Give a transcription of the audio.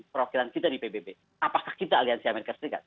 perwakilan kita di pbb apakah kita aliansi as